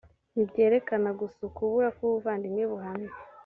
ntibyerekana gusa ukubura k’ubuvandimwe buhamye